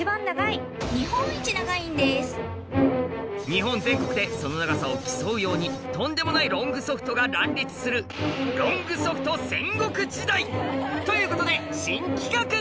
日本全国でその長さを競うようにとんでもないロングソフトが乱立するということで新企画！